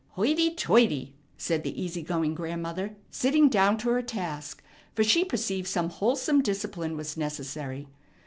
"Hoity toity!" said the easy going grandmother, sitting down to her task, for she perceived some wholesome discipline was necessary.